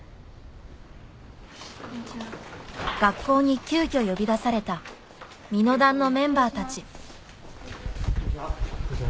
学校に急きょ呼び出された「みのだん」のメンバーたちこんにちは。